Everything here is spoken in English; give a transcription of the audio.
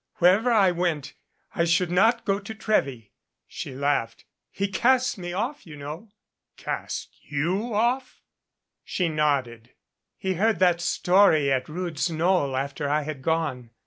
Wherever I went, I should not go to Trewy." She laughed. "He cast me off, you know." "Cast you off?" She nodded. "He heard that story at Rood's Knoll after I had gone.